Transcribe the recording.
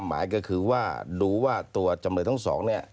หมายก็คือว่าดูว่าตัวจำเลยทั้งสองเนี่ย